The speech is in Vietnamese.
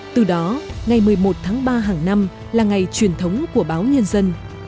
từ đó ngày một mươi một tháng ba hàng năm là ngày truyền thống của báo nhân dân